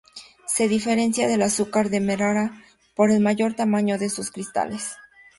Se diferencia del azúcar demerara por el mayor tamaño de sus cristales.